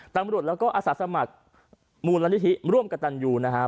ตำรวจแล้วก็อาสาสมัครมูลนิธิร่วมกับตันยูนะครับ